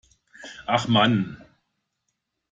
Ach Mann.